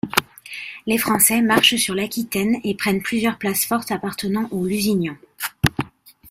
Les Français marchent sur l'Aquitaine et prennent plusieurs places fortes appartenant aux Lusignan.